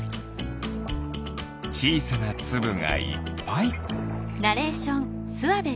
ちいさなつぶがいっぱい。